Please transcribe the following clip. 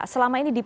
selama ini diproses